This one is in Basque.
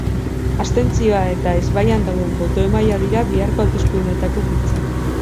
Abstentzioa eta ezbaian dauden boto-emaileak dira biharko hauteskundeetako giltzak.